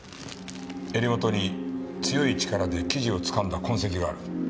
襟元に強い力で生地を掴んだ痕跡がある。